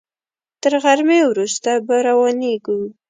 تر غرمې وروسته به روانېږو.